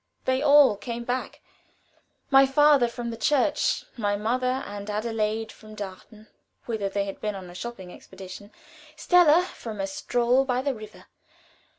They all came back; my father from the church; my mother and Adelaide from Darton, whither they had been on a shopping expedition; Stella from a stroll by the river.